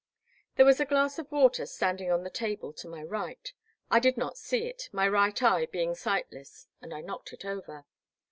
*' There was a glass of water standing on a table to my right. I did not see it, my right eye being sightless, and I knocked it over.